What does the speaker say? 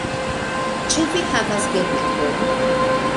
Ĉu vi havas genepojn?